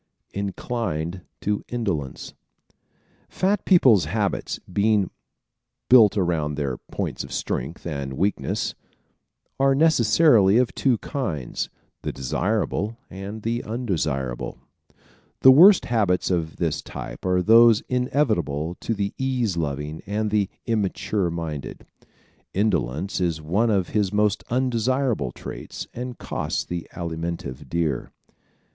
Inclined to Indolence ¶ Fat people's habits, being built around their points of strength and weakness, are necessarily of two kinds the desirable and the undesirable. The worst habits of this type are those inevitable to the ease loving and the immature minded. Indolence is one of his most undesirable traits and costs the Alimentive dear.